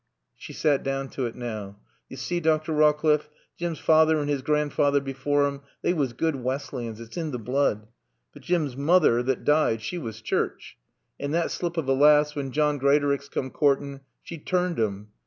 She sat down to it now. "Yo see, Dr. Rawcliffe, Jim's feyther and 'is granfeyther before 'im, they wuss good Wesleyans. It's in t' blood. But Jim's moother that died, she wuss Choorch. And that slip of a laass, when John Greatorex coom courtin', she turned 'im.